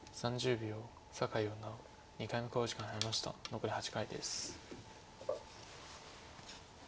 残り８回です。